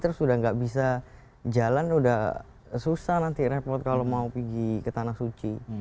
terus sudah nggak bisa jalan sudah susah nanti repot kalau mau pergi ke tanah suci